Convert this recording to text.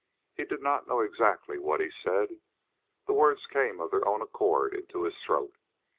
He did not know exactly what he said. The words came of their own accord into his throat.